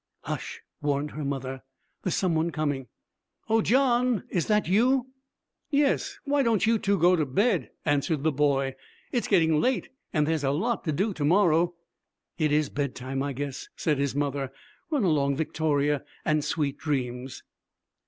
'Hush,' warned her mother. 'There's some one coming. Oh, John, is that you?' 'Yes. Why don't you two go to bed?' answered the boy. 'It's getting late, and there's lot to do to morrow.' 'It is bed time, I guess,' said his mother. 'Run along, Victoria. And sweet dreams.'